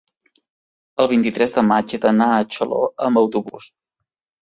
El vint-i-tres de maig he d'anar a Xaló amb autobús.